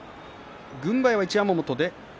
軍配は一山本です。